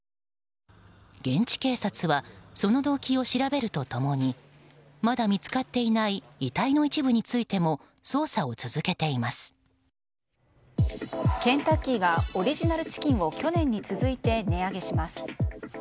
現地警察はその動機を調べると共にまだ見つかっていない遺体の一部についてもケンタッキーがオリジナルチキンを去年に続いて値上げします。